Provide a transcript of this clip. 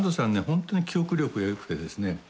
本当に記憶力が良くてですね。